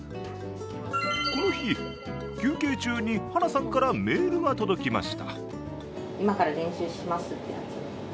この日、休憩中に晴名さんからメールが届きました。